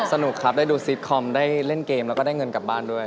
สนุกครับได้ดูซิตคอมได้เล่นเกมแล้วก็ได้เงินกลับบ้านด้วย